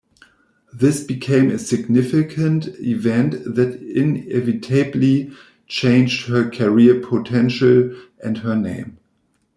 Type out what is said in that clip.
This became a significant event that inevitably changed her career potential and her name.